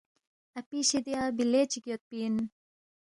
اپی شِدیا بِلے چِک یودپی اِن